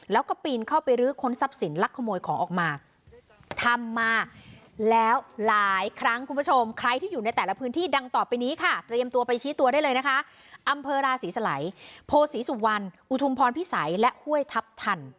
ละอีกครั้งคุณผู้ชมใครที่อยู่ในแต่ละพื้นที่ดังตอบไปนี้ค่ะเตรียมตัวไปชี้ตัวได้เลยนะคะอำเภอราศีย์สลัยโพศีสุวรรค์อุทุมพรพิสัยและห้วยทับทัน